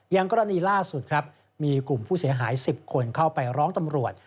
อย่างกรณีล่าสุดครับมีกลุ่มผู้เสียหาย๑๐คนเข้าไปร้องตำรวจ